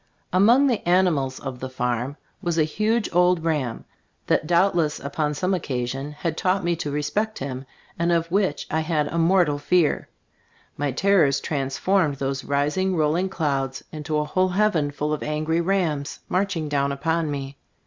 Among the animals of the farm was a huge old ram, that doubtless upon some occasion had taught me to re XLbe Stors of toy Gbiftbooft 15 spect him, and of which I had a mor tal fear. My terrors transformed those rising, rolling clouds into a whole heaven full of angry rams, marching down upon me.